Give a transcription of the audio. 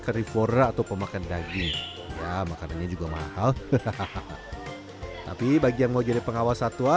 carrifora atau pemakan daging ya makanannya juga mahal hahaha tapi bagi yang mau jadi pengawas satwa